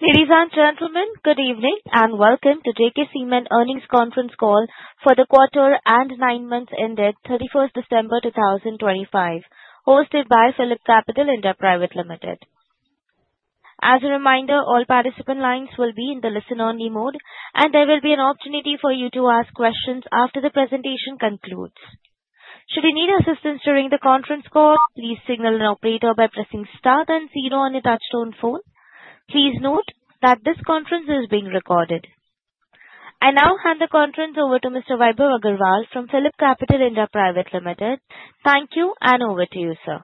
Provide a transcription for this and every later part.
Ladies and gentlemen, good evening and welcome to JK Cement earnings conference call for the quarter and nine months ended 31st December 2024, hosted by PhillipCapital (India) Private Limited. As a reminder, all participant lines will be in the listen-only mode, and there will be an opportunity for you to ask questions after the presentation concludes. Should you need assistance during the conference call, please signal an operator by pressing star and zero on your touch-tone phone. Please note that this conference is being recorded. I now hand the conference over to Mr. Vaibhav Agarwal from PhillipCapital (India) Private Limited. Thank you, and over to you, sir.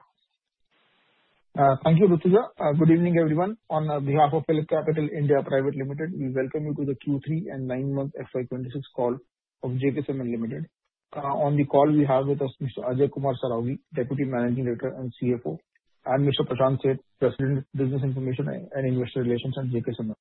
Thank you, Rutika. Good evening, everyone. On behalf of PhillipCapital (India) Private Limited, we welcome you to the Q3 and nine months FY26 call of JK Cement Limited. On the call, we have with us Mr. Ajay Kumar Saraogi, Deputy Managing Director and CFO, and Mr. Prashant Seth, President of Business Information and Investor Relations at JK Cement.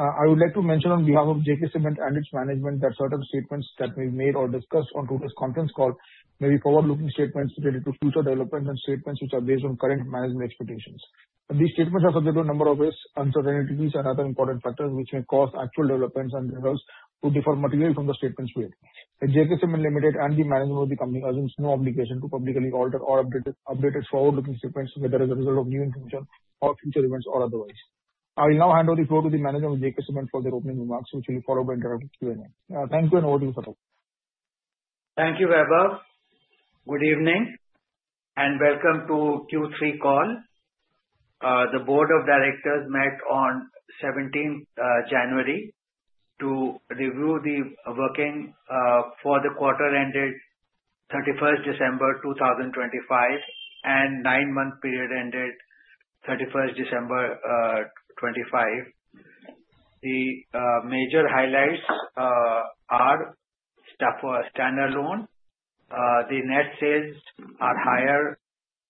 I would like to mention, on behalf of JK Cement and its management, that certain statements that we've made or discussed on today's conference call may be forward-looking statements related to future developments and statements which are based on current management expectations. These statements are subject to a number of risks, uncertainties, and other important factors which may cause actual developments and results to differ materially from the statements made. J.K. Cement Limited and the management of the company assume no obligation to publicly alter or update forward-looking statements whether as a result of new information or future events or otherwise. I will now hand over the floor to the manager of JK Cement for their opening remarks, which will be followed by a direct Q&A. Thank you, and over to you, sir. Thank you, Vaibhav. Good evening and welcome to Q3 call. The Board of Directors met on 17th January to review the working for the quarter ended 31st December 2025 and nine-month period ended 31st December 2025. The major highlights are standalone. The net sales are higher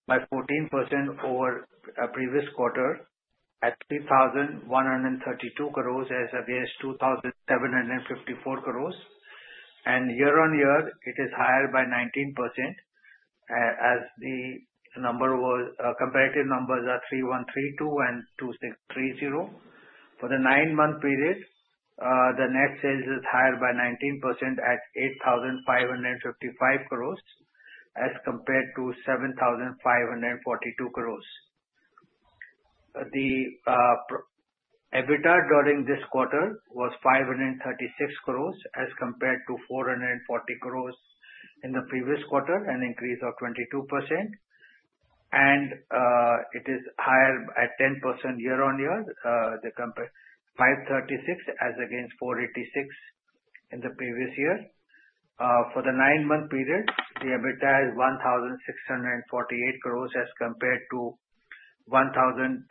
by 14% over previous quarter at 3,132 crores as against 2,754 crores, and year-on-year, it is higher by 19% as the comparative numbers are 3,132 and 2,630. For the nine-month period, the net sales is higher by 19% at 8,555 crores as compared to 7,542 crores. The EBITDA during this quarter was 536 crores as compared to 440 crores in the previous quarter, an increase of 22%, and it is higher by 10% year-on-year, 536 as against 486 in the previous year. For the nine-month period, the EBITDA is 1,648 crores as compared to 1,232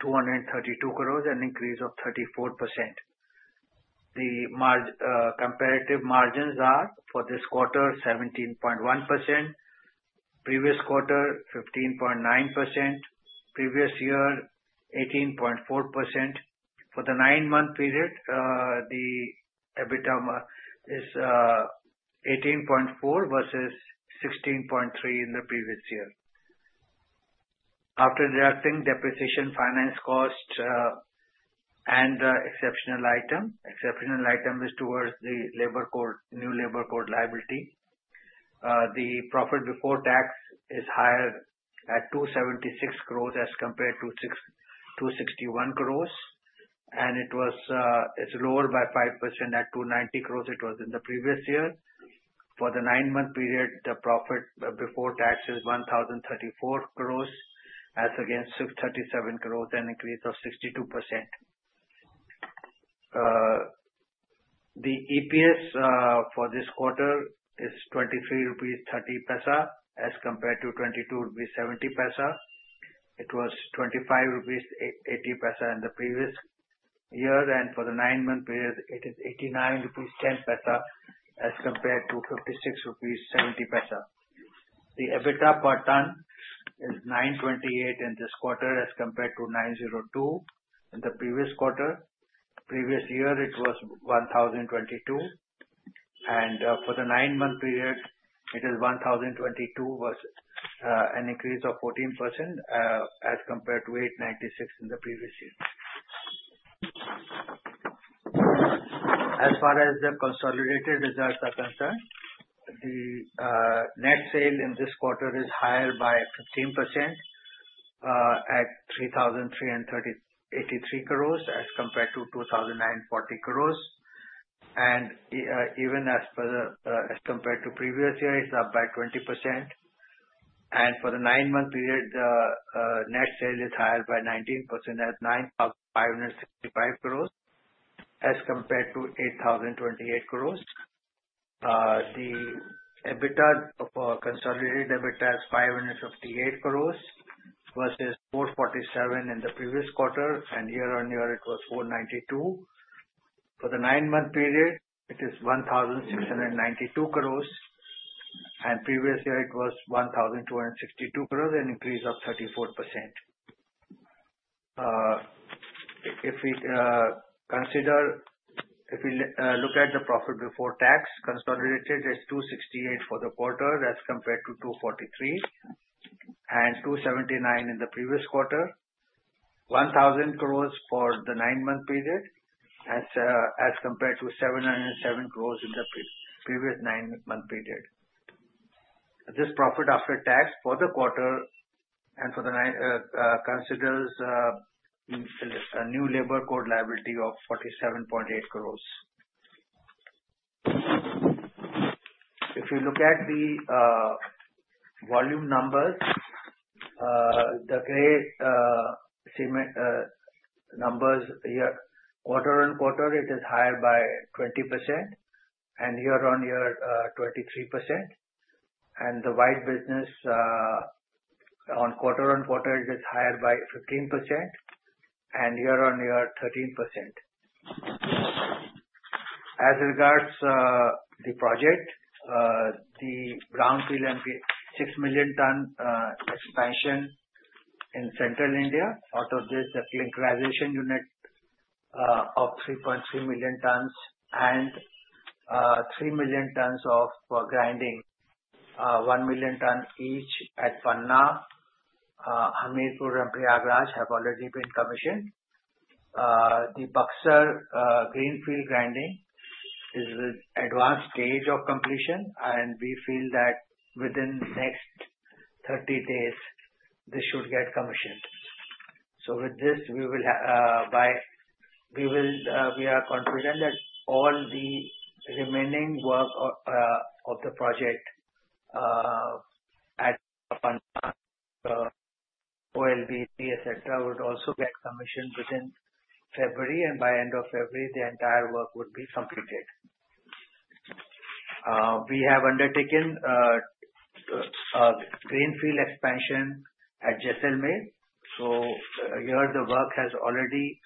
crores, an increase of 34%. The comparative margins are for this quarter, 17.1%; previous quarter, 15.9%; previous year, 18.4%. For the nine-month period, the EBITDA is 18.4% versus 16.3% in the previous year. After deducting depreciation, finance cost, and exceptional item, exceptional item is towards the new labor code liability. The profit before tax is higher at 276 crores as compared to 261 crores, and it was lower by 5% at 290 crores, it was in the previous year. For the nine-month period, the profit before tax is 1,034 crores as against 637 crores, an increase of 62%. The EPS for this quarter is 23.30 rupees as compared to 22.70 rupees. It was 25.80 rupees in the previous year, and for the nine-month period, it is 89.10 rupees as compared to 56.70 rupees. The EBITDA per ton is 928 in this quarter as compared to 902 in the previous quarter. Previous year, it was 1,022, and for the nine-month period, it is 1,022 versus an increase of 14% as compared to 896 in the previous year. As far as the consolidated results are concerned, the net sale in this quarter is higher by 15% at 3,383 crores as compared to 2,940 crores, and even as compared to previous year, it's up by 20%, and for the nine-month period, the net sale is higher by 19% at 9,565 crores as compared to 8,028 crores. The consolidated EBITDA is 558 crores versus 447 in the previous quarter, and year-on-year, it was 492. For the nine-month period, it is 1,692 crores, and previous year, it was 1,262 crores, an increase of 34%. If we look at the profit before tax, consolidated is 268 for the quarter as compared to 243 and 279 in the previous quarter, 1,000 crores for the nine-month period as compared to 707 crores in the previous nine-month period. This profit after tax for the quarter considers new labor code liability of 47.8 crores. If you look at the volume numbers, the grey numbers here, quarter on quarter, it is higher by 20%, and year-on-year, 23%, and the white business on quarter on quarter, it is higher by 15%, and year-on-year, 13%. As regards the project, the brownfield and 6 million ton expansion in Central India, out of this, the clinkerization unit of 3.3 million tons and 3 million tons of grinding, 1 million tons each at Panna, Hamirpur, and Prayagraj have already been commissioned. The Buxar greenfield grinding is in advanced stage of completion, and we feel that within the next 30 days, this should get commissioned. So with this, we are confident that all the remaining work of the project at Panna, OLBC, etc., would also get commissioned within February, and by end of February, the entire work would be completed. We have undertaken a greenfield expansion at Jaisalmer mill. So here, the work has already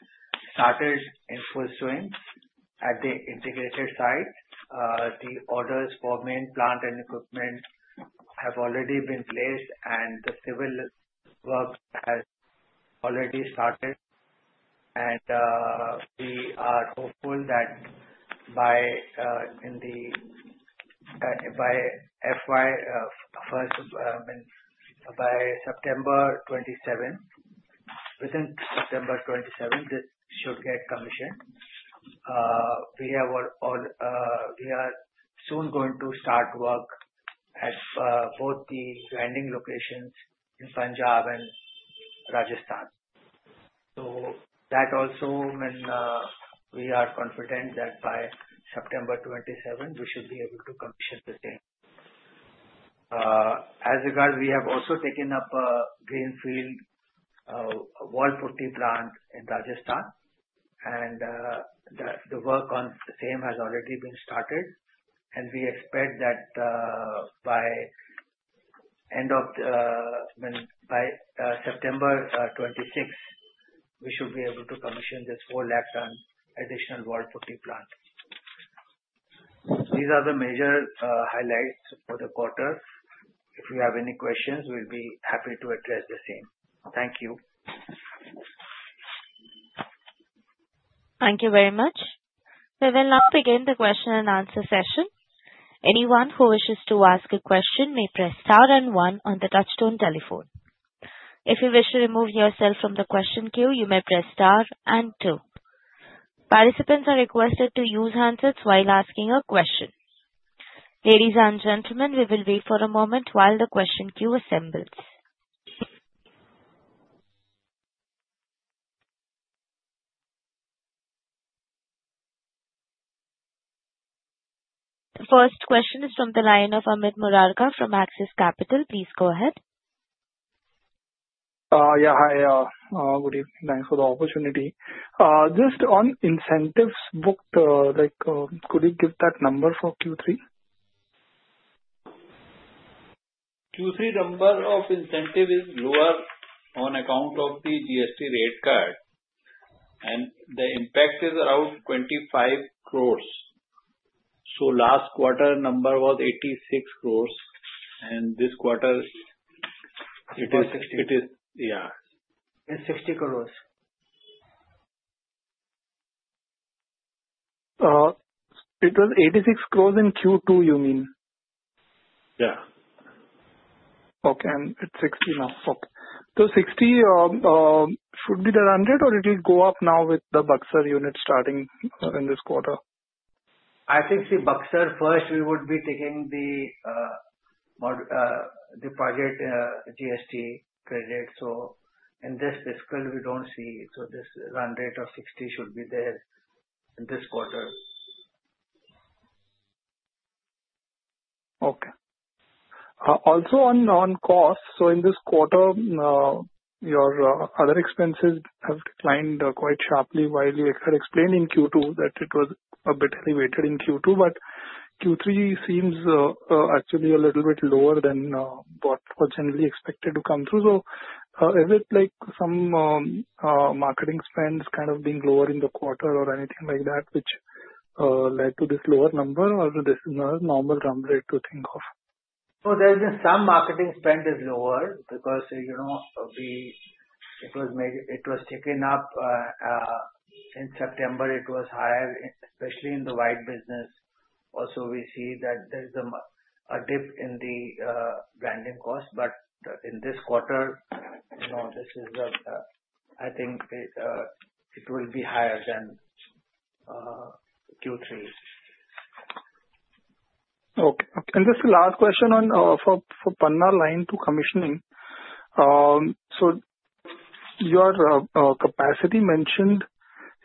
started in full swing at the integrated site. The orders for main plant and equipment have already been placed, and the civil work has already started. And we are hopeful that by September 27th, within September 27th, this should get commissioned. We are soon going to start work at both the grinding locations in Punjab and Rajasthan. So that also, we are confident that by September 27th, we should be able to commission the same. As regards, we have also taken up a greenfield wall putty plant in Rajasthan, and the work on the same has already been started, and we expect that by 26th September, we should be able to commission this 4 lakh ton additional wall putty plant. These are the major highlights for the quarter. If you have any questions, we'll be happy to address the same. Thank you. Thank you very much. We will now begin the question and answer session. Anyone who wishes to ask a question may press star and one on the touch-tone telephone. If you wish to remove yourself from the question queue, you may press star and two. Participants are requested to use handsets while asking a question. Ladies and gentlemen, we will wait for a moment while the question queue assembles. The first question is from the line of Amit Murarka from Axis Capital. Please go ahead. Yeah, hi. Good evening. Thanks for the opportunity. Just on incentives booked, could you give that number for Q3? Q3 number of incentive is lower on account of the GST rate cut, and the impact is around 25 crores. So last quarter number was 86 crores, and this quarter it is. It's 60. Yeah. It's 60 crores. It was 86 crores in Q2, you mean? Yeah. Okay. And it's 60 now. Okay. So 60 should be the 100, or it will go up now with the Buxar unit starting in this quarter? I think, see, Buxar first. We would be taking the project GST credit. So in this fiscal, we don't see. So this 100 or 60 should be there in this quarter. Okay. Also on non-cost, so in this quarter, your other expenses have declined quite sharply while you had explained in Q2 that it was a bit elevated in Q2, but Q3 seems actually a little bit lower than what was generally expected to come through. So is it like some marketing spend kind of being lower in the quarter or anything like that, which led to this lower number, or is this normal rate to think of? So, there's been some marketing spend is lower because it was taken up in September. It was higher, especially in the white business. Also, we see that there's a dip in the grinding cost, but in this quarter, this is, I think, it will be higher than Q3. Okay. And just the last question for Panna Line 2 commissioning. So your capacity mentioned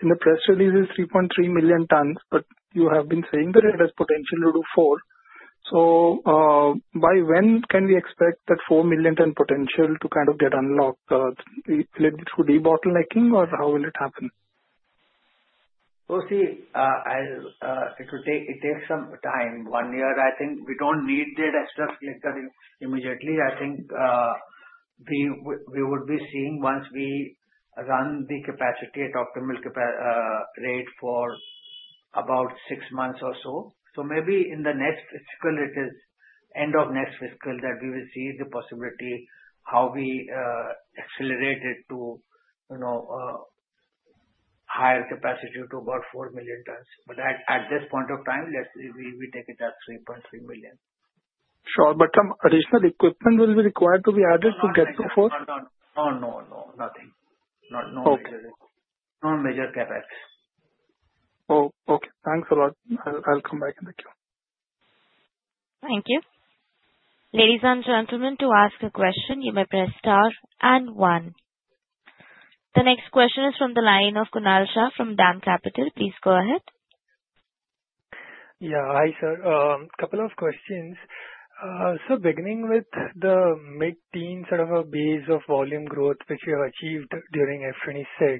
in the press release is 3.3 million tons, but you have been saying that it has potential to do four. So by when can we expect that four million ton potential to kind of get unlocked? Will it be through debottlenecking, or how will it happen? See, it takes some time. One year, I think we don't need the extra splitter immediately. I think we would be seeing once we run the capacity at optimal rate for about six months or so. So maybe in the next fiscal, it is end of next fiscal that we will see the possibility how we accelerate it to higher capacity to about four million tons. But at this point of time, we take it as 3.3 million. Sure. But some additional equipment will be required to be added to get to four? No, no, no, no, nothing. Okay. No major CapEx. Oh, okay. Thanks a lot. I'll come back in the queue. Thank you. Ladies and gentlemen, to ask a question, you may press star and one. The next question is from the line of Kunal Shah from DAM Capital. Please go ahead. Yeah. Hi, sir. A couple of questions. So beginning with the mid-teen sort of a base of volume growth which we have achieved during F26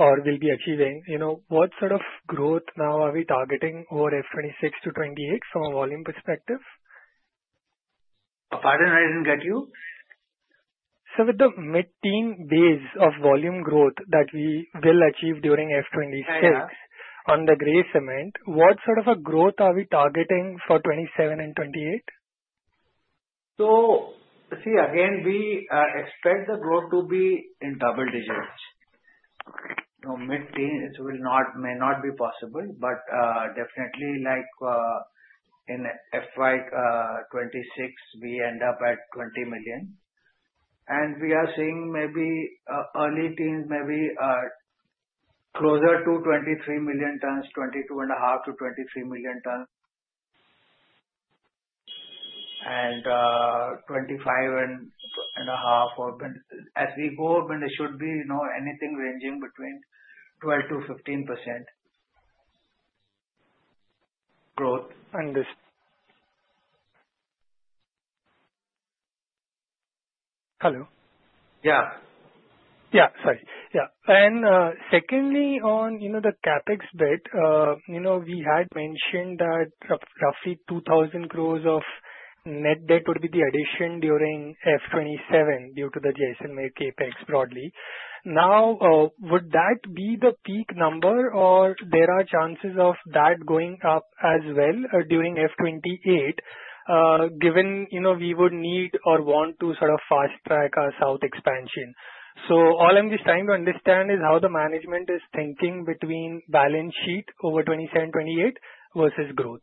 or will be achieving, what sort of growth now are we targeting over F26 to 28 from a volume perspective? Pardon, I didn't get you. So with the mid-teen base of volume growth that we will achieve during FY26 on the grey cement, what sort of a growth are we targeting for FY27 and FY28? See, again, we expect the growth to be in double digits. Mid-teens, it may not be possible, but definitely in FY 26, we end up at 20 million. We are seeing maybe early teens, maybe closer to 23 million tons, 22.5-23 million tons. 25.5, as we go, there should be anything ranging between 12-15% growth. Hello. Yeah. Yeah. Sorry. Yeah. And secondly, on the CapEx bit, we had mentioned that roughly 2,000 crores of net debt would be the addition during FY27 due to the JSMA CapEx broadly. Now, would that be the peak number, or there are chances of that going up as well during FY28, given we would need or want to sort of fast-track our south expansion? So all I'm just trying to understand is how the management is thinking between balance sheet over 27, 28 versus growth.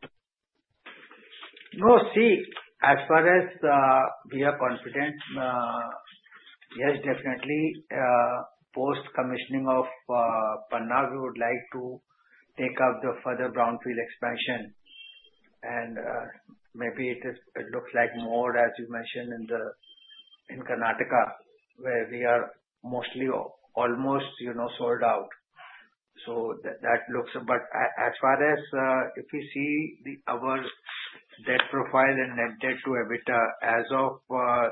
No, see, as far as we are confident, yes, definitely, post-commissioning of Panna, we would like to take up the further brownfield expansion, and maybe it looks like more, as you mentioned, in Karnataka, where we are mostly almost sold out. So that looks, but as far as if you see our debt profile and Net Debt to EBITDA, as of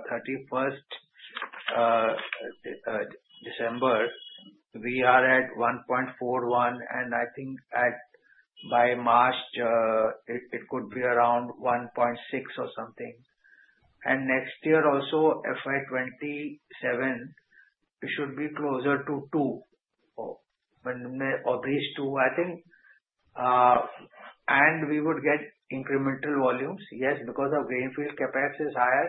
31st December, we are at 1.41, and I think by March, it could be around 1.6 or something. Next year also, FY 27, it should be closer to 2 or at least 2, I think, and we would get incremental volumes, yes, because our greenfield capex is higher.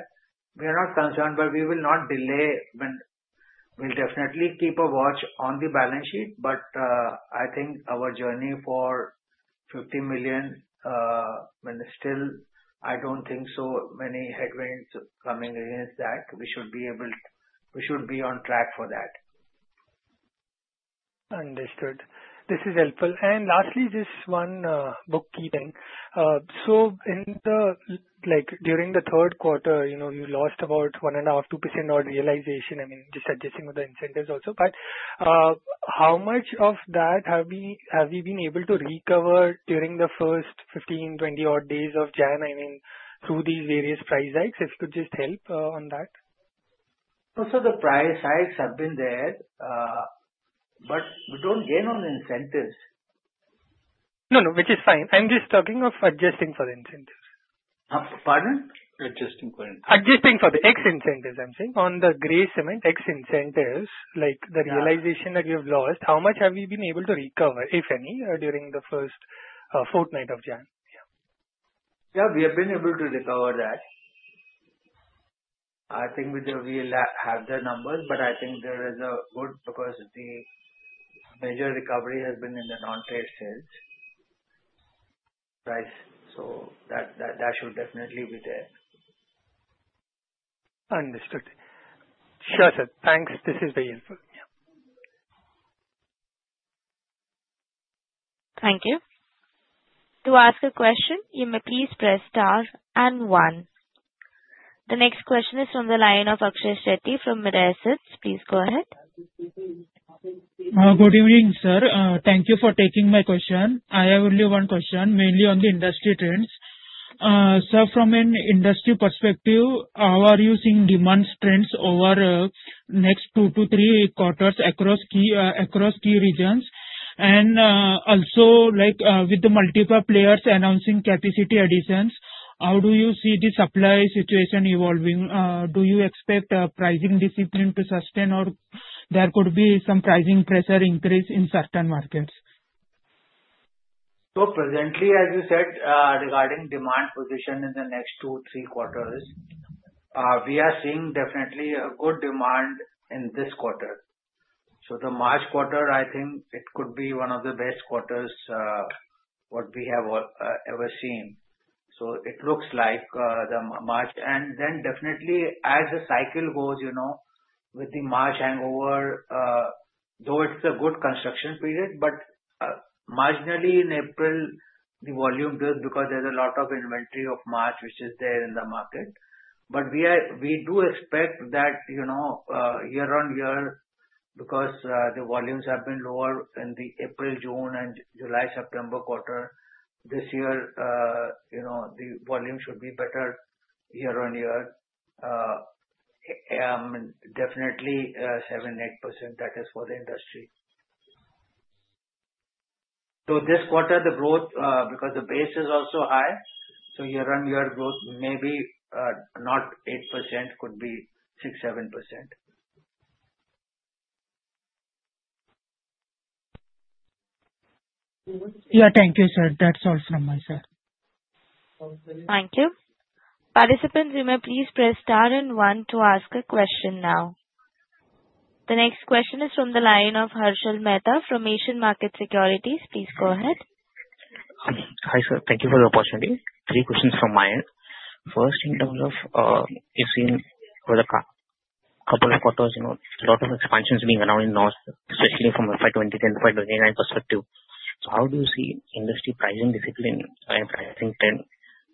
We are not concerned, but we will not delay. We'll definitely keep a watch on the balance sheet, but I think our journey for 50 million, still, I don't think so many headwinds coming against that. We should be on track for that. Understood. This is helpful. Lastly, just one bookkeeping. So during the third quarter, you lost about one and a half, 2% odd realization. I mean, just adjusting with the incentives also. But how much of that have we been able to recover during the first 15, 20 odd days of January, I mean, through these various price hikes? If you could just help on that. Also, the price hikes have been there, but we don't gain on incentives. No, no, which is fine. I'm just talking of adjusting for the incentives. Pardon? Adjusting for the ex-incentives, I'm saying. On the grey cement, ex-incentives, the realization that you've lost, how much have we been able to recover, if any, during the first fortnight of January? Yeah, we have been able to recover that. I think we'll have the numbers, but I think there is good because the major recovery has been in the non-trade sales. So that should definitely be there. Understood. Sure, sir. Thanks. This is very helpful. Thank you. To ask a question, you may please press star and one. The next question is from the line of Akshay Shetty from Mirae Asset. Please go ahead. Good evening, sir. Thank you for taking my question. I have only one question, mainly on the industry trends. Sir, from an industry perspective, how are you seeing demand trends over next two to three quarters across key regions? And also, with the multiple players announcing capacity additions, how do you see the supply situation evolving? Do you expect pricing discipline to sustain, or there could be some pricing pressure increase in certain markets? So presently, as you said, regarding demand position in the next two, three quarters, we are seeing definitely a good demand in this quarter. So the March quarter, I think it could be one of the best quarters what we have ever seen. So it looks like the March. And then definitely, as the cycle goes with the March hangover, though it is a good construction period, but marginally in April, the volume builds because there is a lot of inventory of March, which is there in the market. But we do expect that year on year, because the volumes have been lower in the April, June, and July, September quarter, this year, the volume should be better year on year. Definitely 7%-8%, that is for the industry. So this quarter, the growth, because the base is also high, so year-on-year growth may not be 8%, could be 6%-7%. Yeah, thank you, sir. That's all from me, sir. Thank you. Participants, you may please press star and one to ask a question now. The next question is from the line of Harshil Mehta from Asian Market Securities. Please go ahead. Hi, sir. Thank you for the opportunity. Three questions from my end. First, in terms of you've seen over the couple of quarters, a lot of expansions being announced, especially from FY 23 and FY 29 perspective. So how do you see industry pricing discipline and pricing trend?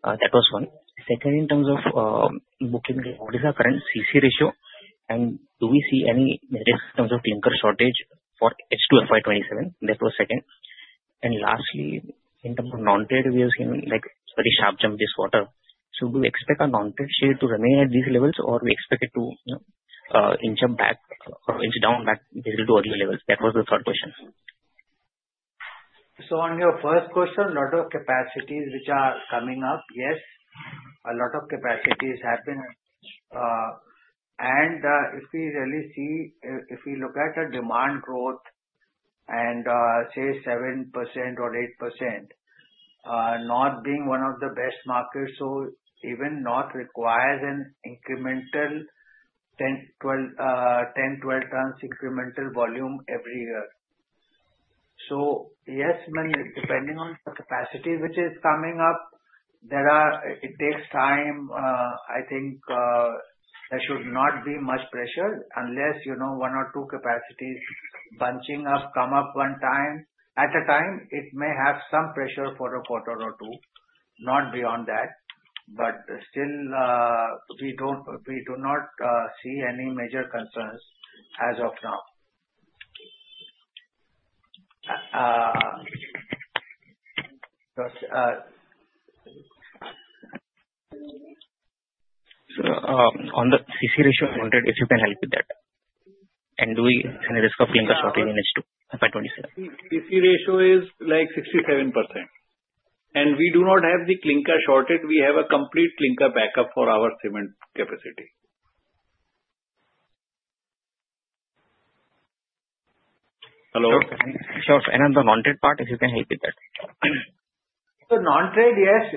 That was one. Second, in terms of booking, what is our current CC ratio? And do we see any negative in terms of clinker shortage for H2 FY 27? That was second. And lastly, in terms of non-trade, we have seen a very sharp jump this quarter. So do we expect our non-trade share to remain at these levels, or we expect it to inch up back or inch down back basically to earlier levels? That was the third question. So on your first question, a lot of capacities which are coming up, yes, a lot of capacities have been. And if we really see, if we look at a demand growth and say 7% or 8%, not being one of the best markets, so even not requires an incremental 10-12 tons incremental volume every year. So yes, depending on the capacity which is coming up, it takes time. I think there should not be much pressure unless one or two capacities bunching up come up one time. At a time, it may have some pressure for a quarter or two, not beyond that. But still, we do not see any major concerns as of now. So, on the CC ratio counted, if you can help with that. And do we have any risk of clinker shortage in H2 FY27? CC ratio is like 67%, and we do not have the clinker shortage. We have a complete clinker backup for our cement capacity. Hello? Sure. And on the non-trade part, if you can help with that. So non-trade, yes.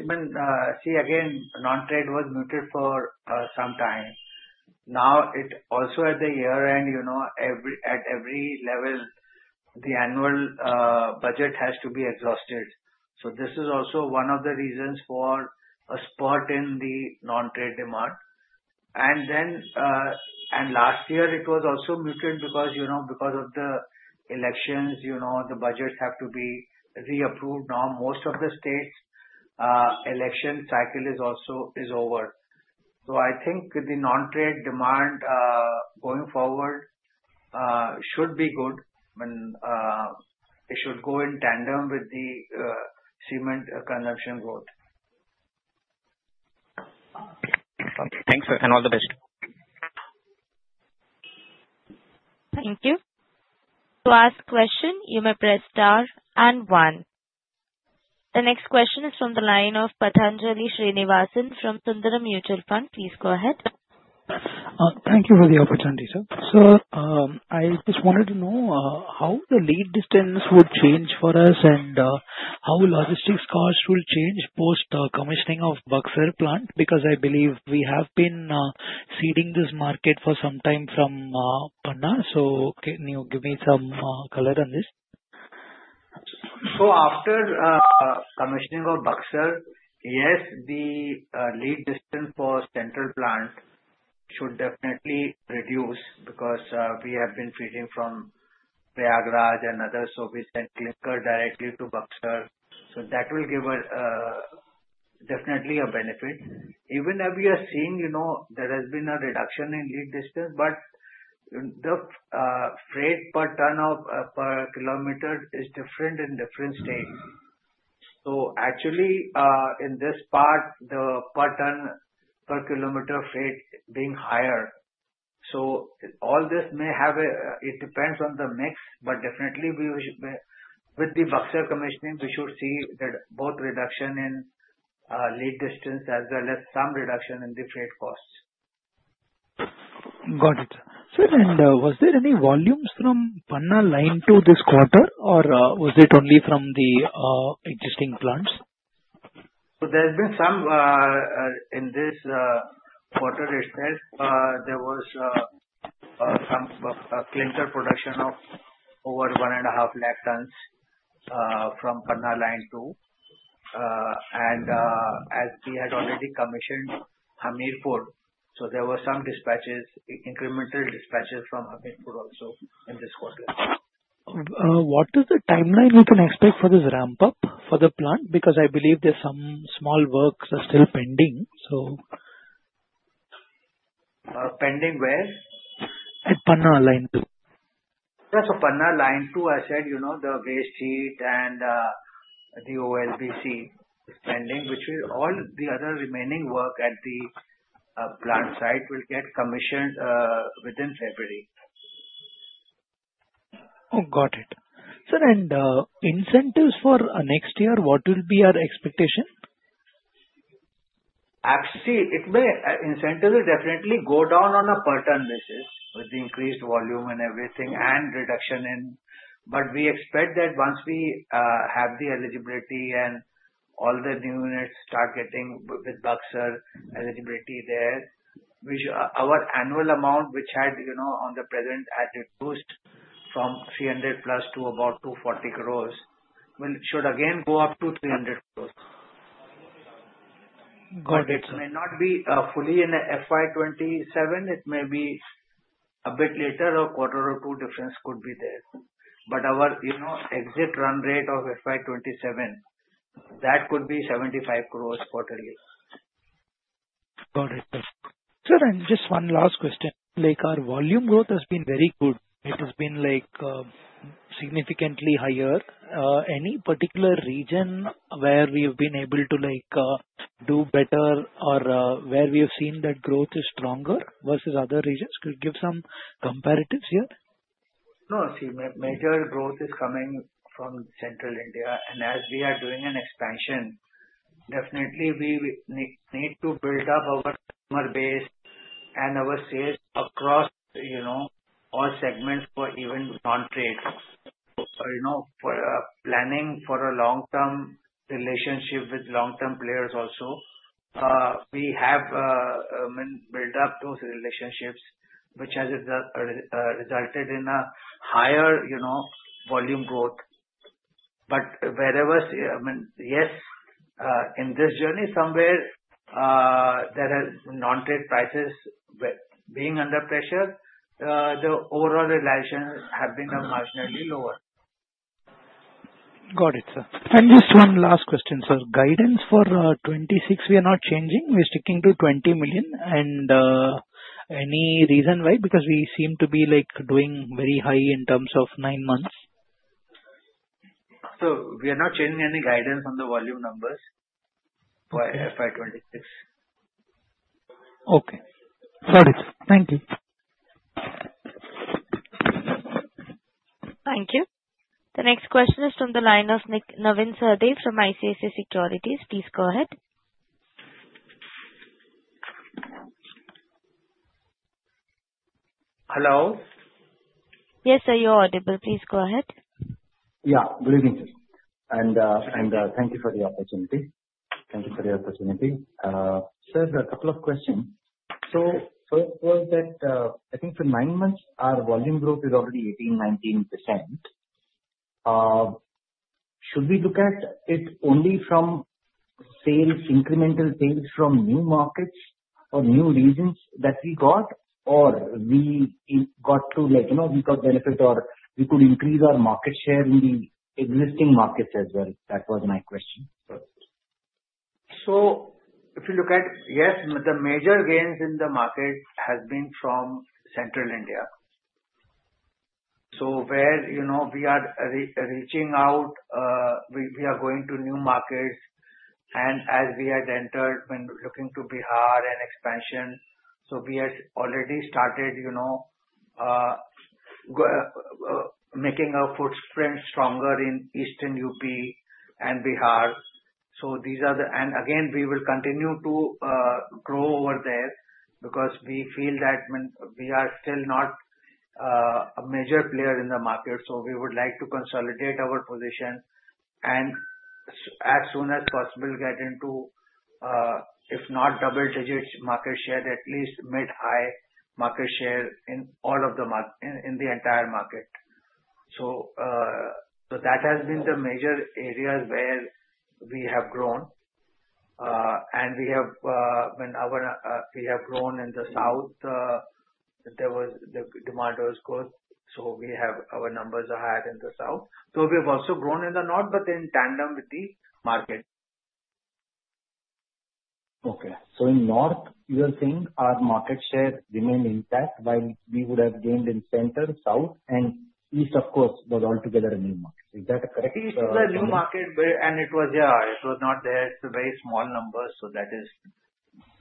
See, again, non-trade was muted for some time. Now, also at the year-end, at every level, the annual budget has to be exhausted. So this is also one of the reasons for a spurt in the non-trade demand. And last year, it was also muted because of the elections, the budgets have to be reapproved. Now, most of the states, election cycle is over. So I think the non-trade demand going forward should be good. It should go in tandem with the cement consumption growth. Thanks, sir, and all the best. Thank you. To ask question, you may press star and one. The next question is from the line of Patanjali Srinivasan from Sundaram Mutual Fund. Please go ahead. Thank you for the opportunity, sir. So I just wanted to know how the lead distance would change for us and how logistics costs will change post-commissioning of Buxar plant because I believe we have been seeding this market for some time from Panna. So can you give me some color on this? So after commissioning of Buxar, yes, the lead distance for central plant should definitely reduce because we have been feeding from Nimbahera and other sources and clinker directly to Buxar. So that will give us definitely a benefit. Even if we are seeing there has been a reduction in lead distance, but the freight per ton per kilometer is different in different states. So actually, in this part, the per ton per kilometer freight being higher. So all this may have an impact. It depends on the mix, but definitely, with the Buxar commissioning, we should see both reduction in lead distance as well as some reduction in the freight costs. Got it, sir. And was there any volumes from Panna line to this quarter, or was it only from the existing plants? There's been some in this quarter itself. There was some clinker production of over 1.5 lakh tons from Panna line too. As we had already commissioned Hamirpur, so there were some dispatches, incremental dispatches from Hamirpur also in this quarter. What is the timeline we can expect for this ramp-up for the plant? Because I believe there's some small works are still pending, so. Pending where? At Panna line too. Yeah. So Panna line too, I said the waste heat and the OLBC is pending, which all the other remaining work at the plant site will get commissioned within February. Got it. Sir, and incentives for next year, what will be our expectation? Actually, incentives will definitely go down on a per ton basis with the increased volume and everything and reduction in. But we expect that once we have the eligibility and all the new units start getting with Buxar eligibility there, our annual amount, which had on the present had reduced from 300 plus to about 240 crores, should again go up to 300 crores. Got it. It may not be fully in FY27. It may be a bit later or quarter or two difference could be there. But our exit run rate of FY27, that could be 75 crores quarterly. Got it, sir. Sir, and just one last question. Our volume growth has been very good. It has been significantly higher. Any particular region where we have been able to do better or where we have seen that growth is stronger versus other regions? Could you give some comparatives here? No. See, major growth is coming from Central India. And as we are doing an expansion, definitely, we need to build up our customer base and our sales across all segments for even non-trade. So planning for a long-term relationship with long-term players also, we have built up those relationships, which has resulted in a higher volume growth. But wherever, yes, in this journey, somewhere there are non-trade prices being under pressure, the overall realizations have been marginally lower. Got it, sir. And just one last question, sir. Guidance for 26, we are not changing. We're sticking to 20 million. And any reason why? Because we seem to be doing very high in terms of nine months. We are not changing any guidance on the volume numbers for FY 26. Okay. Got it. Thank you. Thank you. The next question is from the line of Navin Sahadeo from ICICI Securities. Please go ahead. Hello? Yes, sir. You're audible. Please go ahead. Yeah. Good evening, sir. And thank you for the opportunity. Sir, a couple of questions. So first was that I think for nine months, our volume growth is already 18-19%. Should we look at it only from incremental sales from new markets or new regions that we got, or we got benefit or we could increase our market share in the existing markets as well? That was my question, sir. So if you look at, yes, the major gains in the market has been from Central India. So where we are reaching out, we are going to new markets. And as we had entered when looking to Bihar and expansion, so we had already started making our footprint stronger in Eastern UP and Bihar. So these are the and again, we will continue to grow over there because we feel that we are still not a major player in the market. So we would like to consolidate our position and as soon as possible get into, if not double-digit market share, at least mid-high market share in all of the in the entire market. So that has been the major areas where we have grown. And when we have grown in the south, the demand was good. So our numbers are higher in the south. So we have also grown in the north, but in tandem with the market. Okay. So in north, you are saying our market share remained intact while we would have gained in center, south, and east, of course, but altogether a new market. Is that correct? East is a new market, and it was not there. It's a very small number. So that is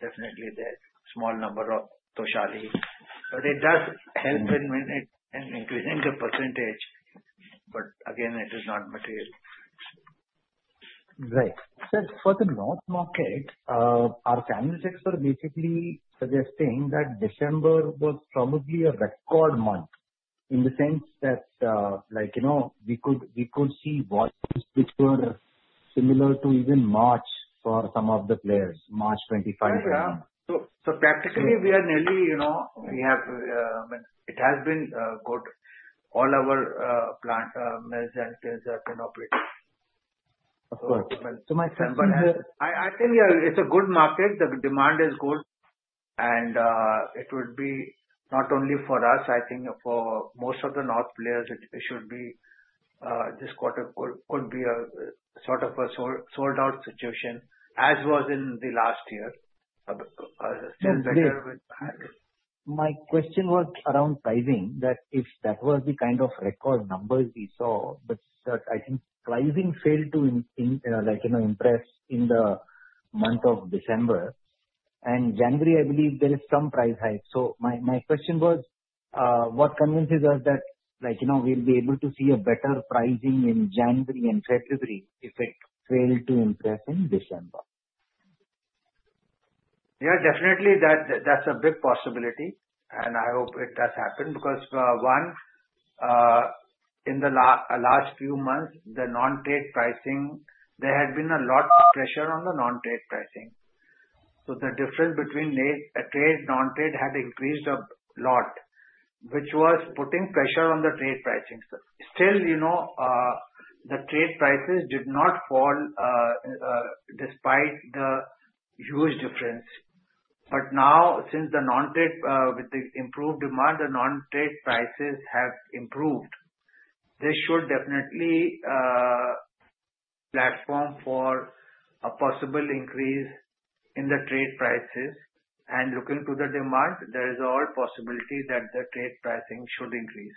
definitely the small number of Toshali. But it does help in increasing the percentage. But again, it is not material. Right. Sir, for the north market, our analytics were basically suggesting that December was probably a record month in the sense that we could see volumes which were similar to even March for some of the players, March 2025. Yeah. So practically, it has been good. All our plants, mills, and things have been operating. Of course. So my question is. I think, yeah, it's a good market. The demand is good. And it would be not only for us, I think for most of the North players, it should be this quarter could be sort of a sold-out situation as was in the last year. It's better with. My question was around pricing, that if that was the kind of record numbers we saw, but I think pricing failed to impress in the month of December, and January, I believe there is some price hike. So my question was, what convinces us that we'll be able to see a better pricing in January and February if it failed to impress in December? Yeah, definitely, that's a big possibility, and I hope it does happen because one, in the last few months, the non-trade pricing there had been a lot of pressure on the non-trade pricing, so the difference between non-trade had increased a lot, which was putting pressure on the trade pricing. Still, the trade prices did not fall despite the huge difference, but now, since the non-trade with the improved demand, the non-trade prices have improved. This should definitely platform for a possible increase in the trade prices, and looking to the demand, there is all possibility that the trade pricing should increase.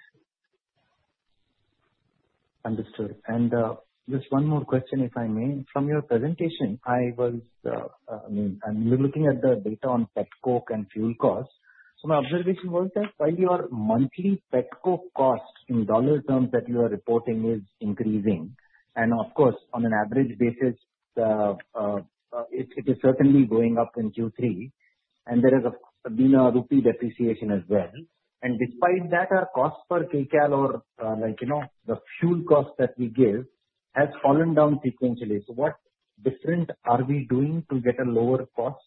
Understood. And just one more question, if I may. From your presentation, I mean, I'm looking at the data on petcoke and fuel costs. So my observation was that while your monthly petcoke cost in dollar terms that you are reporting is increasing, and of course, on an average basis, it is certainly going up in Q3, and there has been a rupee depreciation as well. And despite that, our cost per KCal or the fuel cost that we give has fallen down sequentially. So what different are we doing to get a lower cost?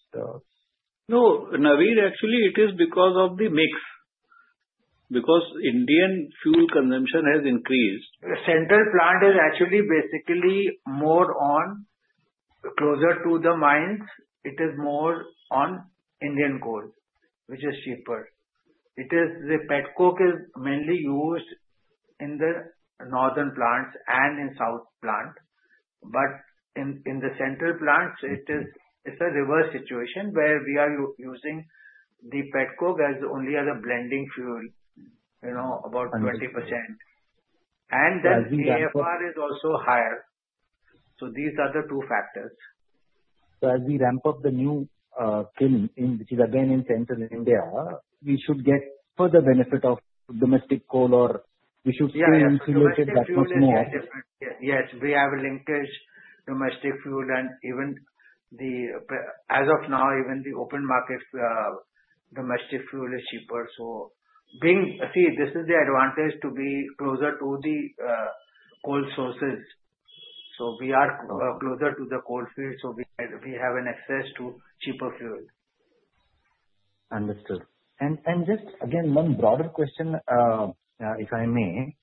No, Navin. Actually, it is because of the mix because Indian fuel consumption has increased. Central plant is actually basically more on closer to the mines. It is more on Indian coal, which is cheaper. The petcoke is mainly used in the northern plants and in south plant, but in the central plants, it's a reverse situation where we are using the petcoke as only as a blending fuel, about 20%. And then CFR is also higher, so these are the two factors. So as we ramp up the new kiln, which is again in Central India, we should get further benefit of domestic coal or we should stay insulated that much more? Yes. We have linkage domestic fuel. And even as of now, even the open market domestic fuel is cheaper. So see, this is the advantage to be closer to the coal sources. So we are closer to the coal field, so we have an access to cheaper fuel. Understood. And just again, one broader question, if I may.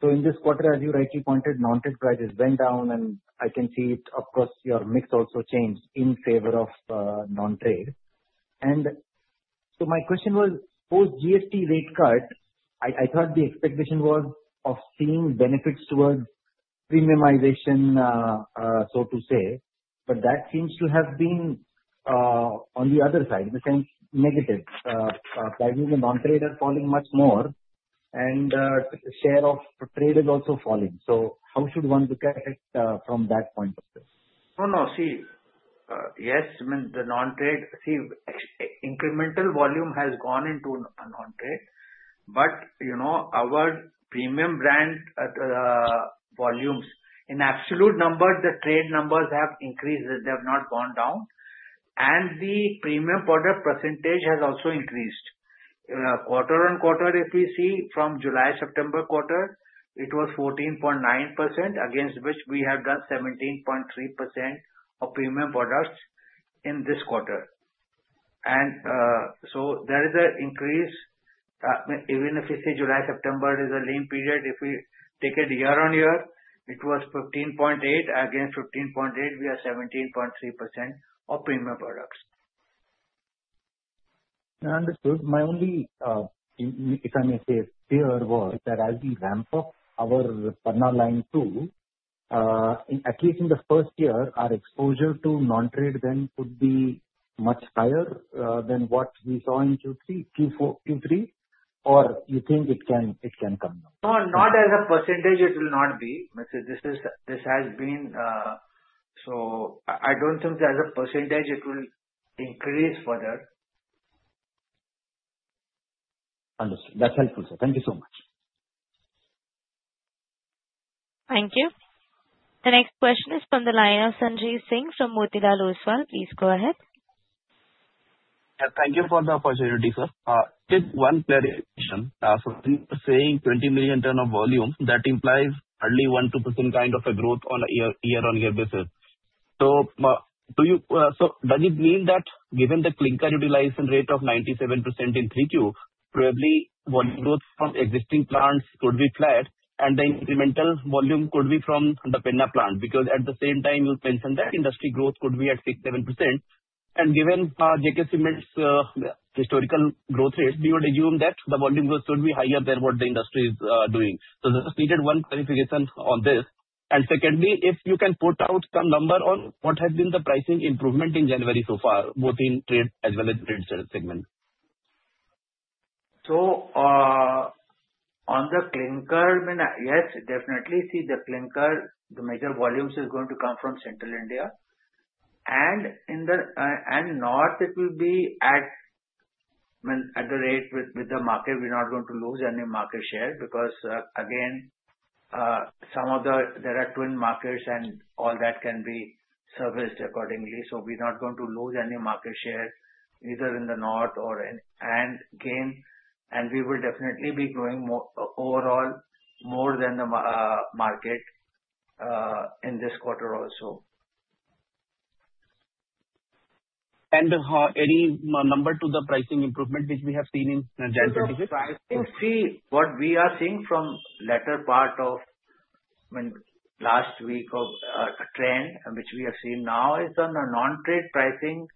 So in this quarter, as you rightly pointed, non-trade prices went down, and I can see it across your mix also changed in favor of non-trade. And so my question was, post GST rate cut, I thought the expectation was of seeing benefits towards premiumization, so to say. But that seems to have been on the other side, in the sense negative. The non-trade are falling much more, and the share of trade is also falling. So how should one look at it from that point of view? Oh, no. See, yes, I mean, the non-trade sales, incremental volume has gone into non-trade. But our premium brand volumes, in absolute numbers, the trade numbers have increased. They have not gone down. And the premium product percentage has also increased. Quarter on quarter, if we see from July-September quarter, it was 14.9%, against which we have done 17.3% of premium products in this quarter. And so there is an increase. Even if you say July-September is a lean period, if we take it year on year, it was 15.8%. Again, 15.8%, we are 17.3% of premium products. Understood. My only, if I may say, fear was that as we ramp up our Panna line too, at least in the first year, our exposure to non-trade then could be much higher than what we saw in Q3, or you think it can come down? No, not as a percentage. It will not be. This has been so. I don't think as a percentage it will increase further. Understood. That's helpful, sir. Thank you so much. Thank you. The next question is from the line of Sanjeev Singh from Motilal Oswal. Please go ahead. Thank you for the opportunity, sir. Just one clarification. So when you're saying 20 million tons of volume, that implies only 1-2% kind of a growth on a year-on-year basis. So does it mean that given the clinker utilization rate of 97% in 3Q, probably volume growth from existing plants could be flat, and the incremental volume could be from the Panna plant? Because at the same time, you mentioned that industry growth could be at 6-7%. And given JK Cement's historical growth rates, we would assume that the volume growth could be higher than what the industry is doing. So just needed one clarification on this. And secondly, if you can put out some number on what has been the pricing improvement in January so far, both in trade as well as non-trade segment. So on the clinker, I mean, yes, definitely. See, the clinker, the major volumes is going to come from Central India. And in the north, it will be at par with the market. We're not going to lose any market share because, again, some of them, there are twin markets, and all that can be serviced accordingly. So we're not going to lose any market share either in the north or in UP and gain. And we will definitely be growing overall more than the market in this quarter also. Any number to the pricing improvement which we have seen in January 2026? I think, see, what we are seeing from the latter part of last week of trend, which we have seen now, is on the non-trade pricing,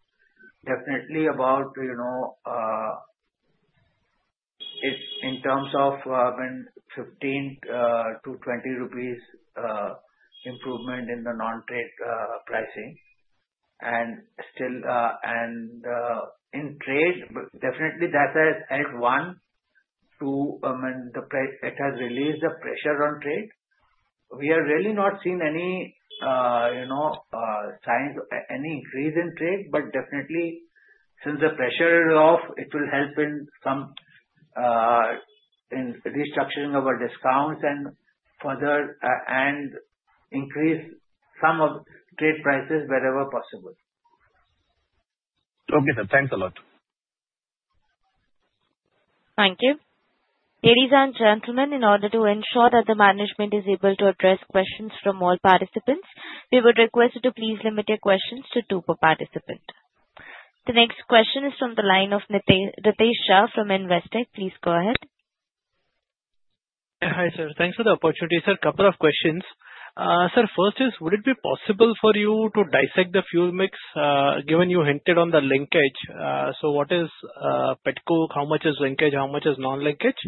definitely about in terms of 15-20 rupees improvement in the non-trade pricing. And in trade, definitely, that has helped one, two, I mean, it has released the pressure on trade. We are really not seeing any signs of any increase in trade. But definitely, since the pressure is off, it will help in restructuring our discounts and further and increase some of trade prices wherever possible. Okay, sir. Thanks a lot. Thank you. Ladies and gentlemen, in order to ensure that the management is able to address questions from all participants, we would request you to please limit your questions to two per participant. The next question is from the line of Ritesh Shah from Investec. Please go ahead. Hi, sir. Thanks for the opportunity, sir. Couple of questions. Sir, first is, would it be possible for you to dissect the fuel mix, given you hinted on the linkage? So what is Petcoke? How much is linkage? How much is non-linkage?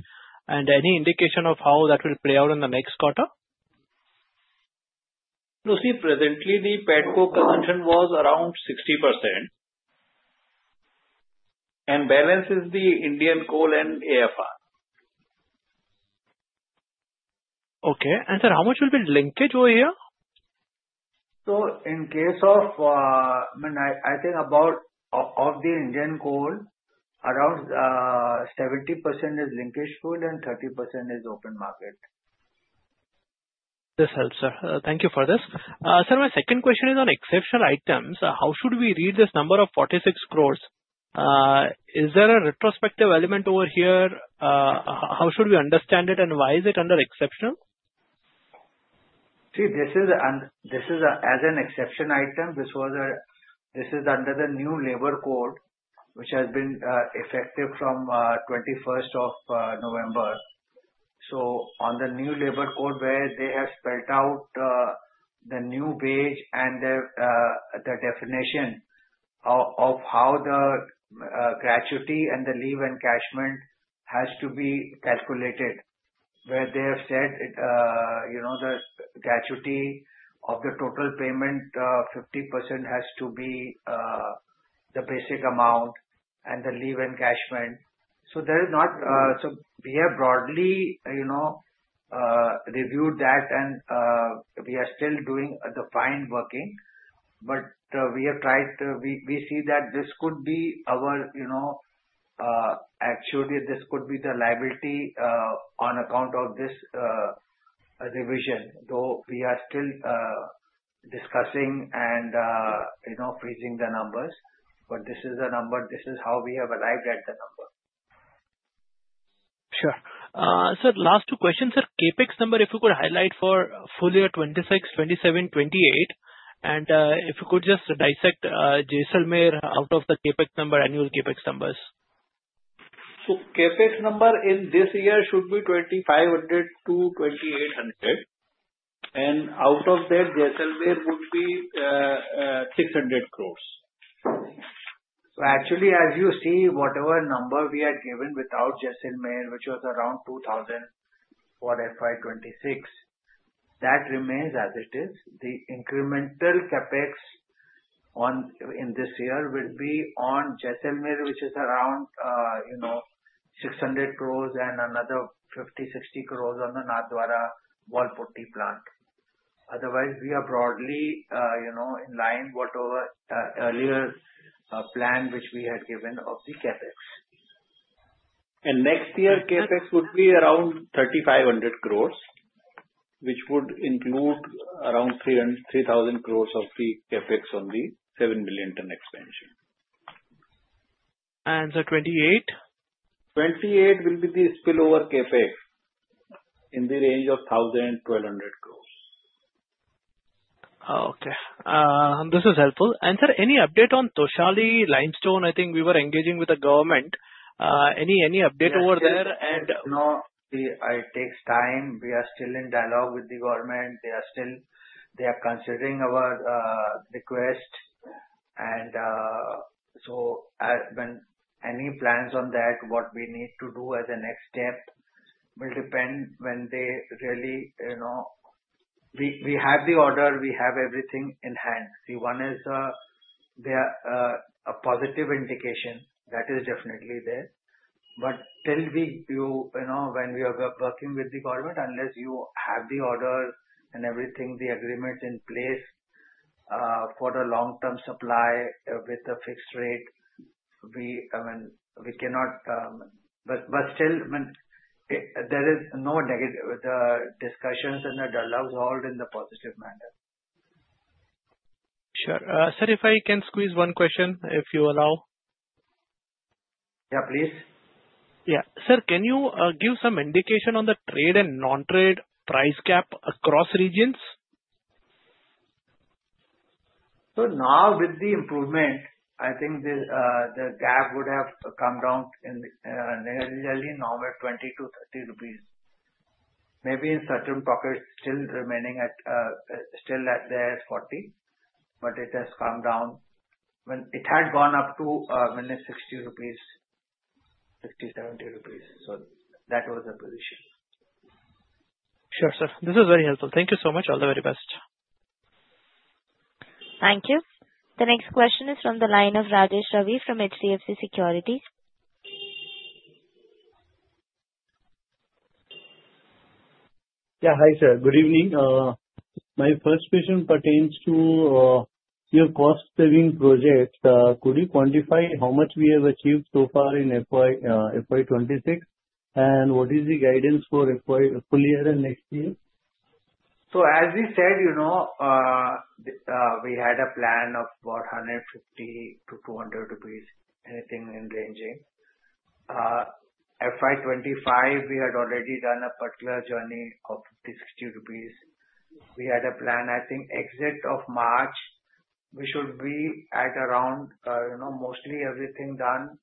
And any indication of how that will play out in the next quarter? No, see, presently, the petcoke consumption was around 60%, and the balance is the Indian coal and AFR. Okay. And sir, how much will be linkage over here? In case of, I mean, I think about 70% of the Indian coal is linkage coal and 30% is open market. This helps, sir. Thank you for this. Sir, my second question is on exceptional items. How should we read this number of 46 crores? Is there a retrospective element over here? How should we understand it, and why is it under exceptional? See, this is an exception item. This is under the new labor code, which has been effective from 21st of November. So on the new labor code, where they have spelled out the new wage and the definition of how the gratuity and the leave encashment has to be calculated, where they have said the gratuity of the total payment, 50% has to be the basic amount and the leave encashment. So there is not so we have broadly reviewed that, and we are still doing the fine working. But we have tried. We see that this could be our. Actually, this could be the liability on account of this revision. Though we are still discussing and freezing the numbers, but this is the number. This is how we have arrived at the number. Sure. Sir, last two questions. Sir, CapEx number, if you could highlight for full year 26, 27, 28. And if you could just dissect Jaisalmer out of the CapEx number, annual CapEx numbers. CapEx number in this year should be 2,500-2,800. And out of that, Jaisalmer would be 600 crores. So actually, as you see, whatever number we are given without Jaisalmer, which was around 2,000 for FY26, that remains as it is. The incremental CapEx in this year will be on Jaisalmer, which is around 600 crores and another 50-60 crores on the Nathdwara wall putty plant. Otherwise, we are broadly in line with what our earlier plan, which we had given of the CapEx. And next year, CapEx would be around 3,500 crores, which would include around 3,000 crores of the CapEx on the 7 million ton expansion. Sir, 28? FY28 will be the spillover CapEx in the range of 1,000-1,200 crores. Okay. This is helpful. And sir, any update on Toshali Limestone? I think we were engaging with the government. Any update over there? And. No, see, it takes time. We are still in dialogue with the government. They are considering our request. And so, when any plans on that, what we need to do as a next step will depend when they really we have the order. We have everything in hand. See, one is a positive indication. That is definitely there. But till we do, when we are working with the government, unless you have the order and everything, the agreement in place for the long-term supply with the fixed rate, we cannot, but still, I mean, there is no discussions and the dialogues all in the positive manner. Sure. Sir, if I can squeeze one question, if you allow. Yeah, please. Yeah. Sir, can you give some indication on the trade and non-trade price gap across regions? So now, with the improvement, I think the gap would have come down nearly now at 20-30 rupees. Maybe in certain pockets, still remaining at there at 40, but it has come down. I mean, it had gone up to, I mean, 60 rupees, 60 rupees, 70 rupees. So that was the position. Sure, sir. This is very helpful. Thank you so much. All the very best. Thank you. The next question is from the line of Rajesh Ravi from HDFC Securities. Yeah. Hi, sir. Good evening. My first question pertains to your cost-saving project. Could you quantify how much we have achieved so far in FY26? And what is the guidance for FY full year and next year? As we said, we had a plan of about 150-200 rupees, anything in ranging. FY 25, we had already done a particular journey of 50-60 rupees. We had a plan, I think, exit of March, we should be at around mostly everything done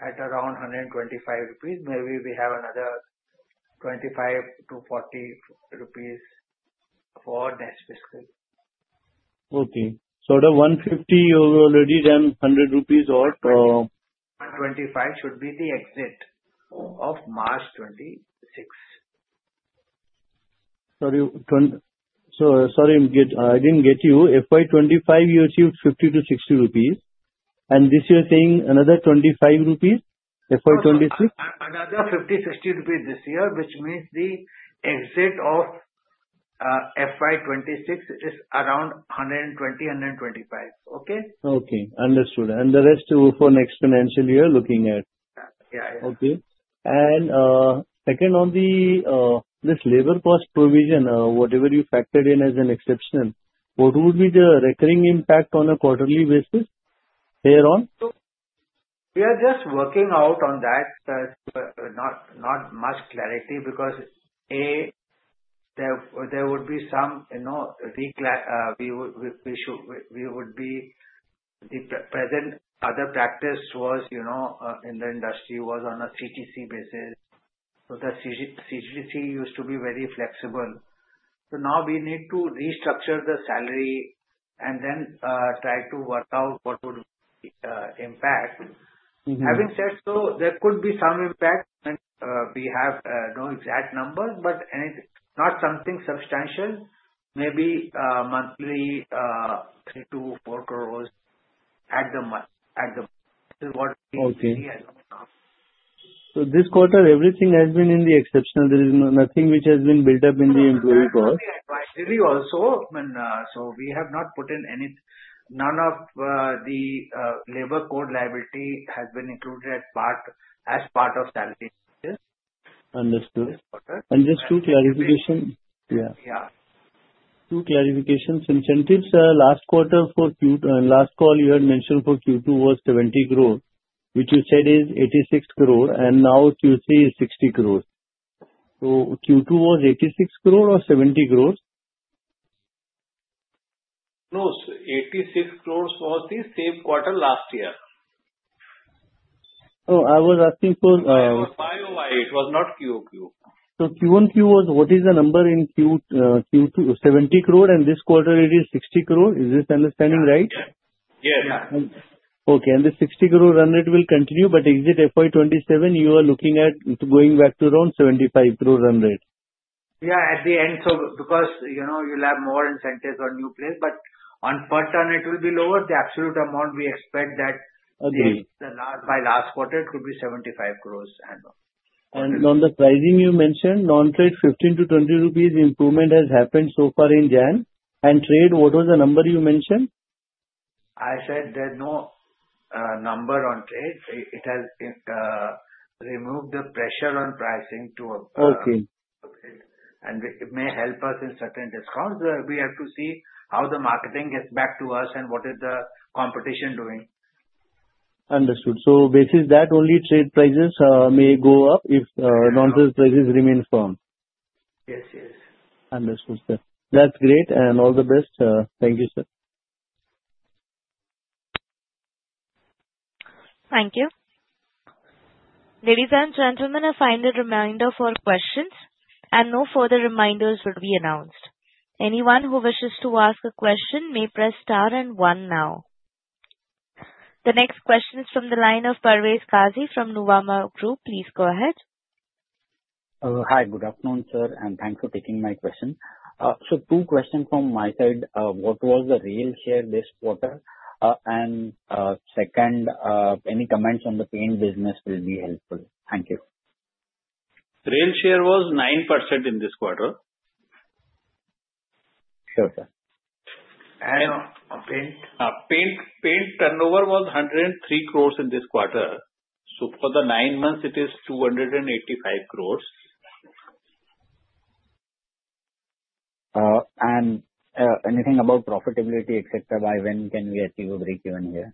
at around 125 rupees. Maybe we have another 25-40 rupees for next fiscal. Okay, so the 150, you've already done 100 rupees or? 125 should be the exit of March 2026. Sorry. Sorry, I didn't get you. FY 25, you achieved 50-60 rupees. And this year, saying another 25 rupees? FY 26? Another INR 50-INR 60 this year, which means the exit of FY 26 is around 120-125. Okay? Okay. Understood, and the rest for next financial year, looking ahead. Yeah, yeah. Okay. And second, on this labor cost provision, whatever you factored in as an exception, what would be the recurring impact on a quarterly basis here on? So we are just working out on that. There's not much clarity because, A, there would be some we would be the present other practice was in the industry was on a CTC basis. So the CTC used to be very flexible. So now we need to restructure the salary and then try to work out what would be the impact. Having said so, there could be some impact. We have no exact number, but not something substantial. Maybe monthly 3-4 crores at the month. This is what we see as of now. This quarter, everything has been exceptional. There is nothing which has been built up in the employee cost. The employee advisory also. I mean, so we have not put in any. None of the labor code liability has been included as part of salary in this quarter. Understood, and just two clarifications. Yeah. Yeah. Two clarifications. Incentives, last quarter for last call, you had mentioned for Q2 was 70 crores, which you said is 86 crores. Now Q3 is 60 crores. Q2 was 86 crores or 70 crores? No, 86 crores was the same quarter last year. Oh, I was asking for. It was YoY. It was not QoQ. So, Q1, what is the number in Q2? 70 crores, and this quarter, it is 60 crores. Is this understanding right? Yes. Okay. And the 60 crore run rate will continue, but exit FY 27, you are looking at going back to around 75 crore run rate. Yeah. At the end, so because you'll have more incentives on new plants. But on per ton, it will be lower. The absolute amount we expect that by last quarter could be 75 crores and up. On the pricing, you mentioned non-trade, 15-20 rupees improvement has happened so far in January. And trade, what was the number you mentioned? I said there's no number on trade. It has removed the pressure on pricing to a point. And it may help us in certain discounts. We have to see how the marketing gets back to us and what is the competition doing. Understood. So basically, that only trade prices may go up if non-trade prices remain firm. Yes, yes. Understood, sir. That's great. And all the best. Thank you, sir. Thank you. Ladies and gentlemen, a final reminder for questions, and no further reminders will be announced. Anyone who wishes to ask a question may press star and one now. The next question is from the line of Parvez Qazi from Nuvama Group. Please go ahead. Hi. Good afternoon, sir, and thanks for taking my question, so two questions from my side. What was the realization this quarter? And second, any comments on the paint business will be helpful. Thank you. Rail share was 9% in this quarter. Sure, sir. Paint turnover was 103 crores in this quarter. For the nine months, it is 285 crores. Anything about profitability, etc., by when can we achieve a break-even here?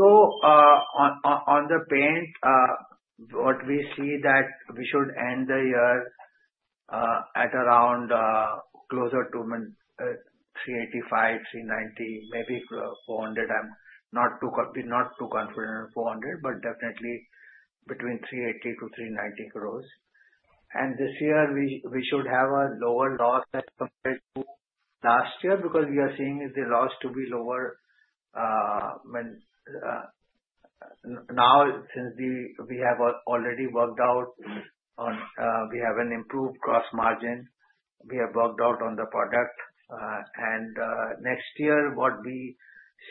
On the paint, what we see that we should end the year at around closer to 385-390 crores, maybe 400 crores. I'm not too confident on 400 crores, but definitely between 380-390 crores. This year, we should have a lower loss as compared to last year because we are seeing the loss to be lower. Now, since we have already worked out on, we have an improved gross margin. We have worked out on the product. Next year, what we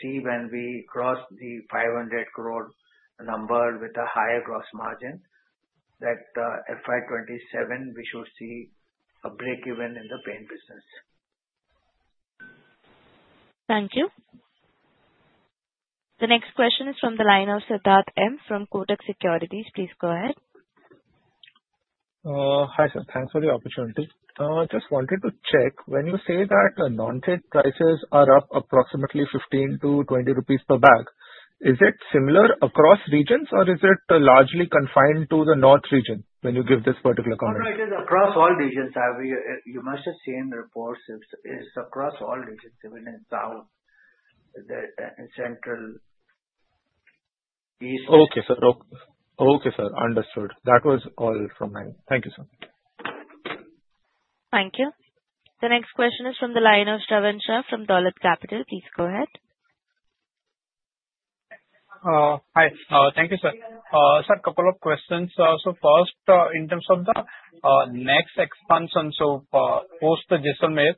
see when we cross the 500 crore number with a higher gross margin, that FY27, we should see a breakeven in the paint business. Thank you. The next question is from the line of Siddhartha Bera from Kotak Securities. Please go ahead. Hi, sir. Thanks for the opportunity. Just wanted to check. When you say that non-trade prices are up approximately 15-20 rupees per bag, is it similar across regions, or is it largely confined to the north region when you give this particular comment? No, it is across all regions. You must have seen the reports. It's across all regions, even in South, Central, East. Okay, sir. Okay, sir. Understood. That was all from me. Thank you, sir. Thank you. The next question is from the line of Shravan Shah from Dolat Capital. Please go ahead. Hi. Thank you, sir. Sir, a couple of questions. So first, in terms of the next expansion, so post Jaisalmer,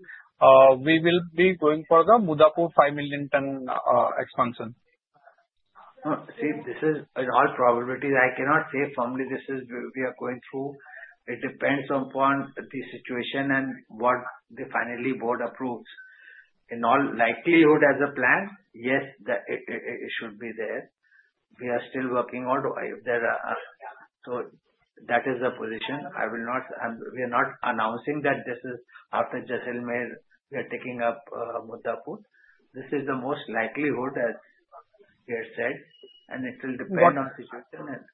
we will be going for the Muddapur 5 million ton expansion. See, this is in all probability. I cannot say firmly this is we are going through. It depends upon the situation and what the finally board approves. In all likelihood, as a plan, yes, it should be there. We are still working out. So that is the position. We are not announcing that this is after Jaisalmer, we are taking up Muddapur. This is the most likelihood, as we have said, and it will depend on situation.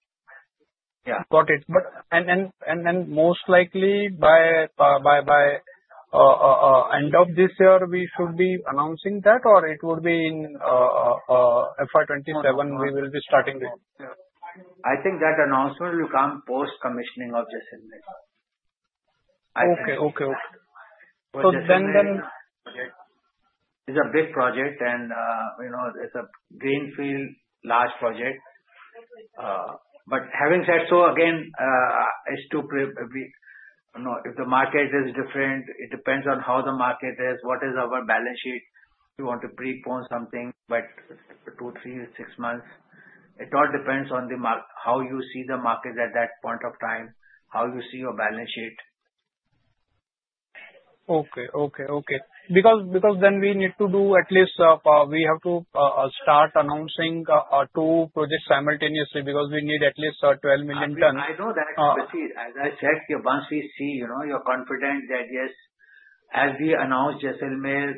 Yeah. Got it, and most likely, by end of this year, we should be announcing that, or it would be in FY27, we will be starting with? I think that announcement will come post commissioning of Jaisalmer. I think. Okay. So then. Project. It's a big project, and it's a greenfield large project. But having said so, again, it's true if the market is different, it depends on how the market is, what is our balance sheet. We want to prepone something by two, three, six months. It all depends on how you see the market at that point of time, how you see your balance sheet. Because then we need to do at least we have to start announcing two projects simultaneously because we need at least 12 million ton. I know that. But see, as I said, once we see you're confident that yes, as we announced Jaisalmer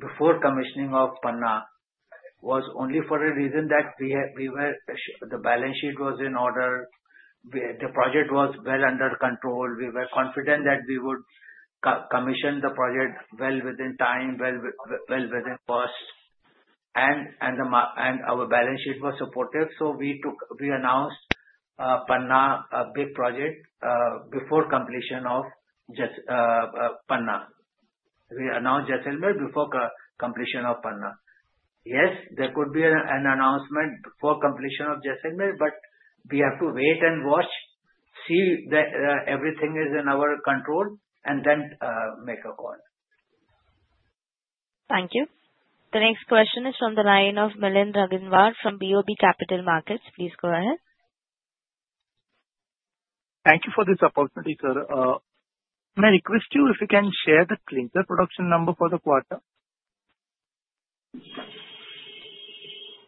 before commissioning of Panna, was only for a reason that we were the balance sheet was in order, the project was well under control. We were confident that we would commission the project well within time, well within cost. And our balance sheet was supportive. So we announced Panna a big project before completion of Panna. We announced Jaisalmer before completion of Panna. Yes, there could be an announcement before completion of Jaisalmer, but we have to wait and watch, see that everything is in our control, and then make a call. Thank you. The next question is from the line of Milind Raginwar from BOB Capital Markets. Please go ahead. Thank you for this opportunity, sir. May I request you if you can share the clinker production number for the quarter?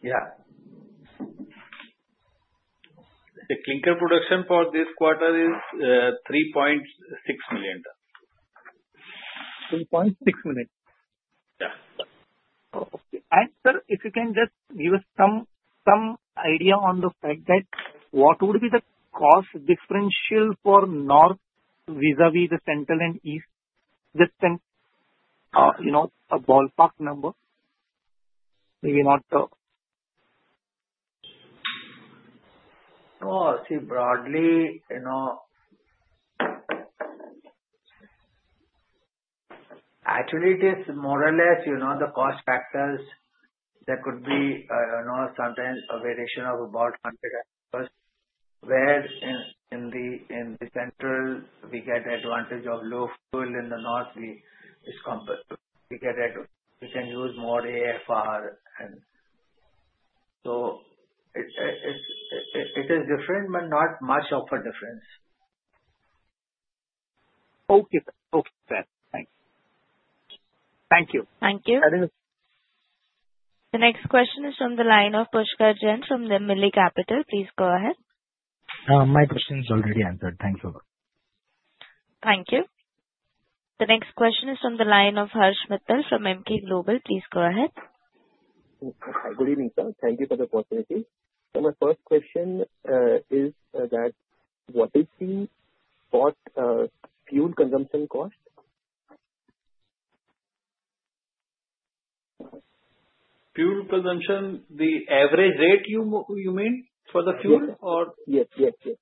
Yeah. The Clinker production for this quarter is 3.6 million tons. 3.6 million. Yeah. Sir, if you can just give us some idea on the fact that what would be the cost differential for North vis-à-vis the Central and East, just a ballpark number? Maybe not. Oh, see, broadly, actually, it is more or less the cost factors. There could be sometimes a variation of about 100 hectares. Where in the Central, we get advantage of low fuel. In the North, we get we can use more AFR. So it is different, but not much of a difference. Okay, sir. Okay, sir. Thanks. Thank you. Thank you. The next question is from the line of Pushkar Jain from Mille Capital. Please go ahead. My question is already answered. Thanks a lot. Thank you. The next question is from the line of Harsh Mittal from Emkay Global. Please go ahead. Hi. Good evening, sir. Thank you for the opportunity. So my first question is that what is the fuel consumption cost? Fuel consumption, the average rate, you mean for the fuel or? Yes, yes, yes.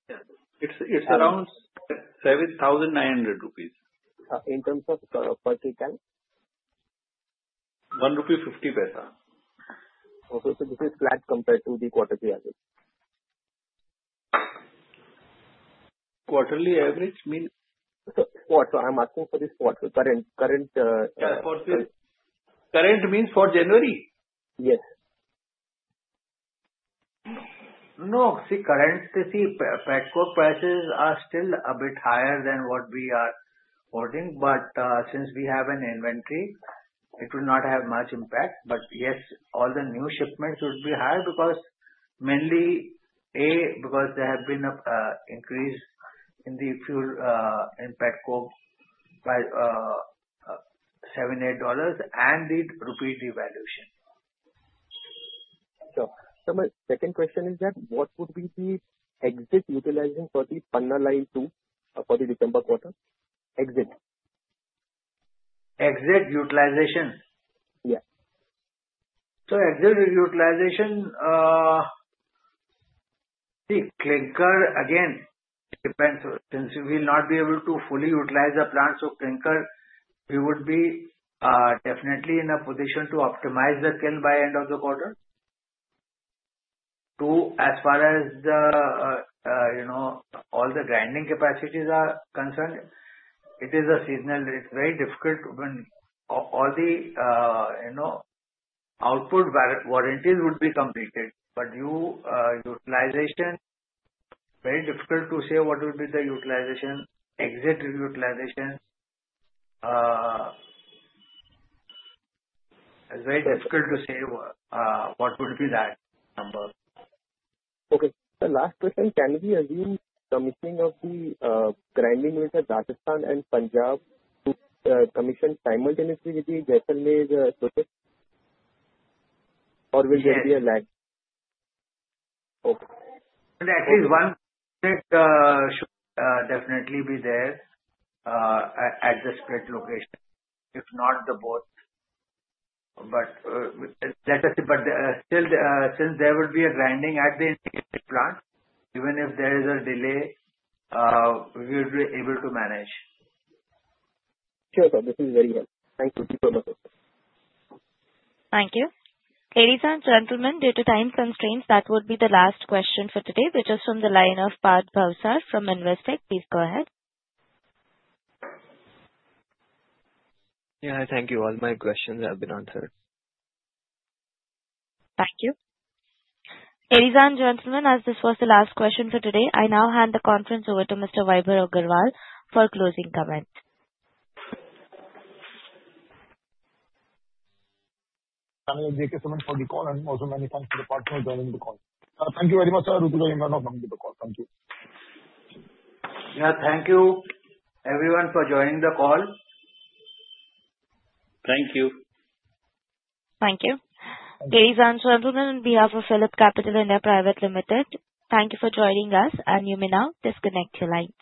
It's around 7,900 rupees. In terms of per Kcal? ₹1.50. Okay. So this is flat compared to the quarterly average? Quarterly average means? So I'm asking for this quarterly current. Current means for January? Yes. No. See, currently, petcoke prices are still a bit higher than what we are holding. But since we have an inventory, it will not have much impact. But yes, all the new shipments should be higher because mainly because there have been an increase in the fuel in petcoke by $7-$8 and the rupee devaluation. Sure. So my second question is that what would be the expected utilization for the Panna line two for the December quarter? Exit utilization? Yeah. So, exit utilization, see, clinker, again, depends. Since we will not be able to fully utilize the plant, so clinker, we would be definitely in a position to optimize the kiln by end of the quarter. Two, as far as all the grinding capacities are concerned, it is a seasonal. It's very difficult when all the output warranties would be completed. But utilization, very difficult to say what would be the utilization, exit utilization. It's very difficult to say what would be that number. Okay. So last question, can we assume commissioning of the grinding in Rajasthan and Punjab to commission simultaneously with the Jaisalmer project? Or will there be a lag? At least one should definitely be there at the split location. If not, them both. But let us see. But still, since there would be a grinding at the integrated plant, even if there is a delay, we would be able to manage. Sure, sir. This is very helpful. Thank you. Thank you so much, sir. Thank you. Ladies and gentlemen, due to time constraints, that would be the last question for today, which is from the line of Parth Bhavsar from Investec. Please go ahead. Yeah. Thank you. All my questions have been answered. Thank you. Ladies and gentlemen, as this was the last question for today, I now hand the conference over to Mr. Vaibhav Agarwal for closing comment. JK Cement for the call. Also many thanks to the partners joining the call. Thank you very much, sir. Rutika has now joined the call. Thank you. Yeah. Thank you, everyone, for joining the call. Thank you. Thank you. Ladies and gentlemen, on behalf of PhillipCapital (India) Private Limited, thank you for joining us, and you may now disconnect your lines.